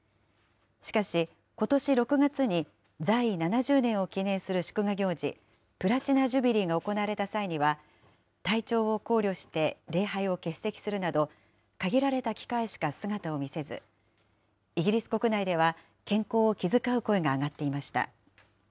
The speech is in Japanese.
しかし、ことし６月に在位７０年を記念する祝賀行事、プラチナ・ジュビリーが行われた際には、体調を考慮して礼拝を欠席するなど、限られた機会しか姿を見せず、イギリス国内では健康を気遣う声が上がっていました。